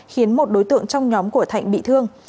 khiến một đối tượng trong nhóm của thạnh bị thương